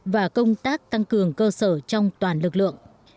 và công tác tăng cường cơ sở trong toàn lực lượng